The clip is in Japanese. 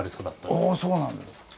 あそうなんですか。